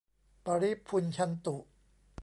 ปะริภุญชันตุ